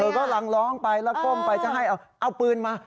กำลังร้องไปแล้วก้มไปจะให้เอาปืนมา